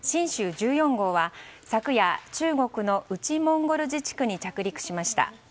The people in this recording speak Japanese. １４号は昨夜、中国の内モンゴル自治区に着陸しました。